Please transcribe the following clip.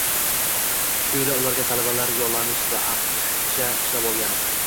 Shu yili ularga talabalar yollanishdi, aqcha ishlab olgani